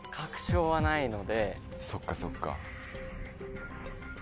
そっかそっか。